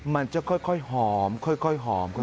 มันจะค่อยหอมค่อยหอม